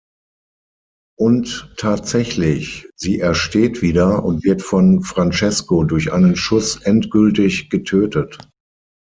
Und tatsächlich, sie ersteht wieder und wird von Francesco durch einen Schuss endgültig getötet.